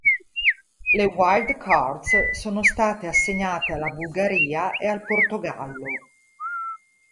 Le "wild cards" sono state assegnate alla Bulgaria e al Portogallo.